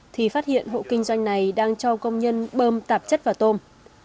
thì phát hiện hộ kinh doanh này đang cho công nhân bơm tạp chất vào tôm